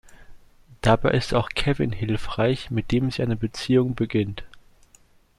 Dabei ist auch Kevin hilfreich, mit dem sie eine Beziehung beginnt.